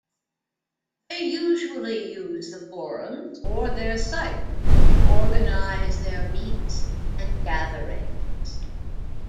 They usually use the forums or their site to organize their meets and gatherings.